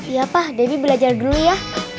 iya pak debbie belajar dulu ya